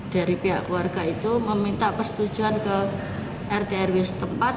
dari pihak warga itu meminta persetujuan ke rtrw setempat